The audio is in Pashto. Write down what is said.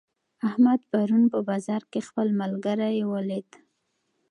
احمد پرون په بازار کې خپل ملګری ولید.